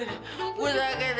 aduh gue sakit deh